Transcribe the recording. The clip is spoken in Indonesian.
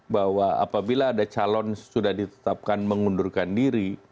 bahwa apabila ada calon sudah ditetapkan mengundurkan diri